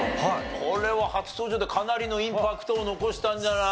これは初登場でかなりのインパクトを残したんじゃない？